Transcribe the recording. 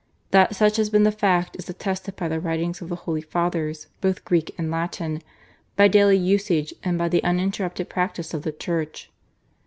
That such has been the fact is attested by the writings of the Holy Fathers, both Greek and Latin, by daily usage and by the uninterrupted practice of the Church.